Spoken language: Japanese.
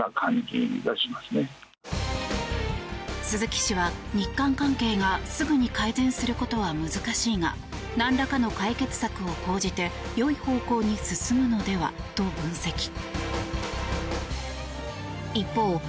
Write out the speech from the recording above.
鈴木氏は日韓関係がすぐに改善することは難しいがなんらかの解決策を講じてよい方向に進むのではと分析。